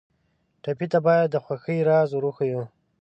ټپي ته باید د خوښۍ راز ور وښیو.